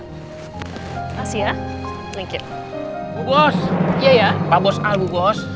pak bos al bu bos